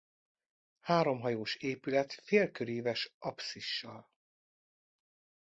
Háromhajós épület félköríves apszissal.